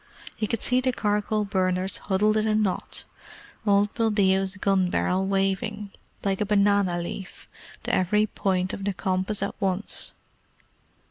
He could see the charcoal burners huddled in a knot; old Buldeo's gun barrel waving, like a banana leaf, to every point of the compass at once.